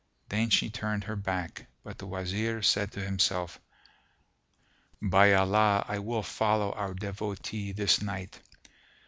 Then she turned her back, but the Wazir said to himself, "By Allah, I will follow our Devotee this night!"